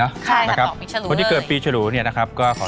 แม่บ้านประจันบัน